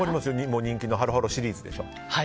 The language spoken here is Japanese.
人気のハロハロシリーズですよね。